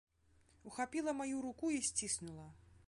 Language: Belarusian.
Ухапіла маю руку і сціснула.